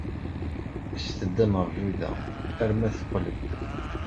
Aset-d ad neṛju da arma teqqel-d.